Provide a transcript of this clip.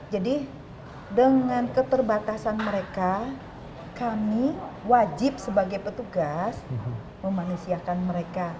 jadi dengan keterbatasan mereka kami wajib sebagai petugas memanusiakan mereka